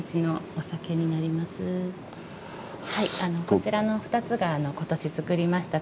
こちらの２つが今年造りました